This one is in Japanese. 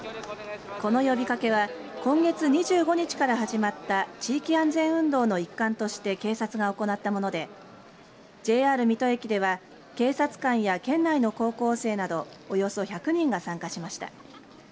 この呼びかけは今月２５日から始まった地域安全運動の一環として警察が行ったものでＪＲ水戸駅では警察官や県内の高校生などおよそ１００人が参加しました。